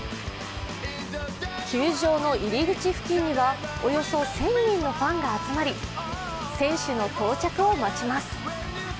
球場の入り口付近にはおよそ１０００人のファンが集まり選手の到着を待ちます。